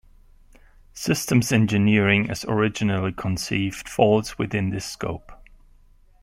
Systems engineering, as originally conceived, falls within this scope.